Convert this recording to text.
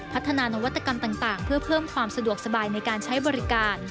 พัฒนานวัตกรรมต่างเพื่อเพิ่มความสะดวกสบายในการใช้บริการ